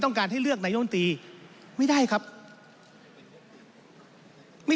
ท่านประธานก็เป็นสอสอมาหลายสมัย